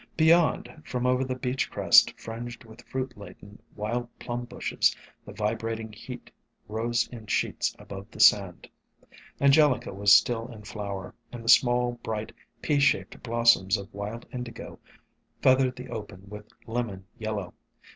Beyond, from over the beach crest fringed with fruit laden Wild Plum Bushes, the vibrating heat rose in sheets above the sand. Angelica was still in flower, and the small, bright, pea shaped blos soms of Wild Indigo feathered the open with lemon yellow.